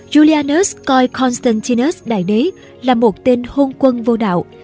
olyanus coi constantinus đại đế là một tên hôn quân vô đạo